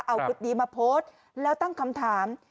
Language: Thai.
เอาคลิปนี้มาโพสต์แล้วตั้งคำถาม